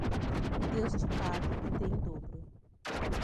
Deus te pague e dê em dobro